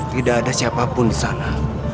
tidak ada siapa pun di sana